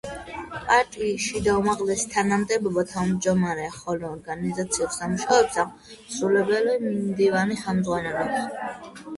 პარტიის შიდა უმაღლესი თანამდებობა თავმჯდომარეა, ხოლო ორგანიზაციულ სამუშაოებს აღმასრულებელი მდივანი ხელმძღვანელობს.